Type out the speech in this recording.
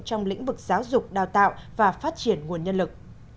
trong lĩnh vực giáo dục đào tạo và phát triển nguồn nhân lực